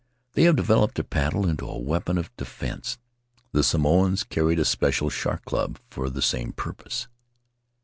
They have developed their paddle into a weapon of defence. The Samoans carried a special shark club for the same purpose."